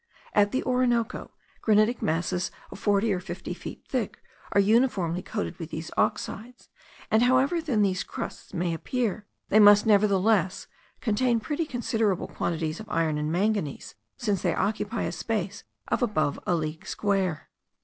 At the Orinoco, granitic masses of forty or fifty feet thick are uniformly coated with these oxides; and, however thin these crusts may appear, they must nevertheless contain pretty considerable quantities of iron and manganese, since they occupy a space of above a league square.